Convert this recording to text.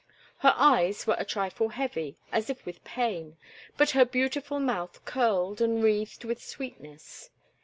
Her eyes were a trifle heavy, as if with pain, but her beautiful mouth curled and wreathed with sweetness.